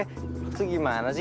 itu gimana sih